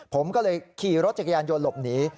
ผมก็เลยขี่รถจักรยานยนต์หลบหนี